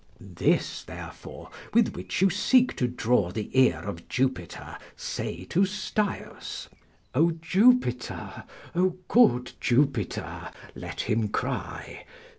["This therefore, with which you seek to draw the ear of Jupiter, say to Staius. 'O Jupiter! O good Jupiter!' let him cry.